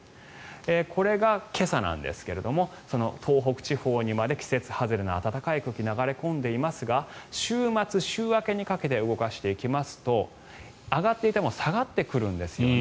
これが今朝なんですが東北地方にまで季節外れの暖かい空気が流れ込んでいますが週末、週明けにかけて動かしていきますと上がっていたのが下がってくるんですよね。